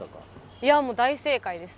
いやもう大正解です。